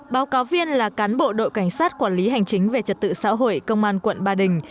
báo cáo viên là cán bộ đội cảnh sát quản lý hành chính về trật tự xã hội công an quận ba đình